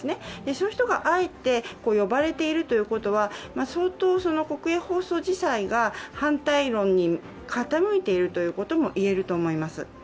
そういう人が、あえて呼ばれているということは相当国営放送自体が反対論に傾いているとも言えると思います。